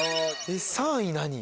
３位何？